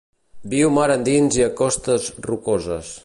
Viu mar endins i a costes rocoses.